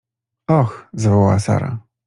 — Och! — zawołała Sara.